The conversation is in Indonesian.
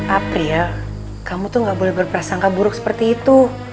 april kamu tuh gak boleh berperasangka buruk seperti itu